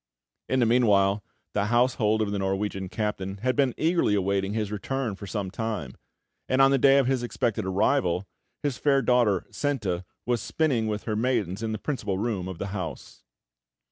In the meanwhile, the household of the Norwegian captain had been eagerly awaiting his return for some time, and on the day of his expected arrival, his fair daughter, Senta, was spinning with her maidens in the principal room of the house.